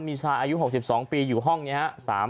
มีชายอายุ๖๒ปีอยู่ห้องนี้ครับ